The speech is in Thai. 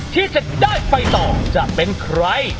ที่จะได้ไปต่อจะเป็นใคร